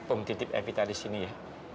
om titip evita di sini ya